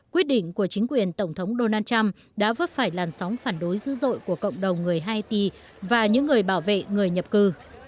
quyết định của chính quyền tổng thống donald trump đã vấp phải làn sóng phản đối dữ dội của cộng đồng người haiti và những người bảo vệ người nhập cư